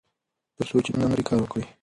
تر څو چې توان لرئ کار وکړئ.